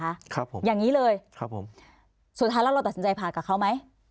ครับผมอย่างงี้เลยครับผมสุดท้ายแล้วเราตัดสินใจผ่ากับเขาไหม